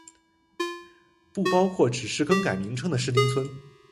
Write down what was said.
不包括只是更改名称的市町村。